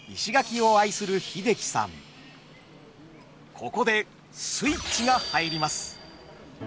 ここでスイッチが入ります。